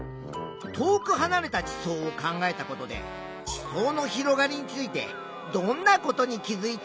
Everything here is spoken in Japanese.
遠くはなれた地層を考えたことで地層の広がりについてどんなことに気づいた？